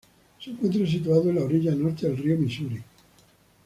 Se encuentra situado en la orilla norte del río Misuri.